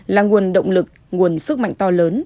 là nguồn động lực nguồn sức mạnh to lớn